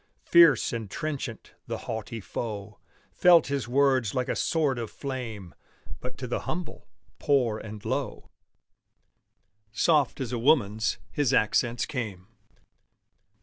Fierce and trenchant, the haughty foe Felt his words like a sword of flame; But to the humble, poor, and low Soft as a woman's his accents came.